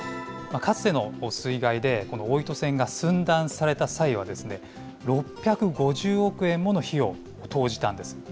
かつての水害で、この大糸線が寸断された際は、６５０億円もの費用を投じたんです。